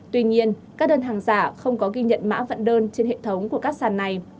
tuy nhiên các đơn hàng giả không có ghi nhận mã vận đơn trên hệ thống của các sàn này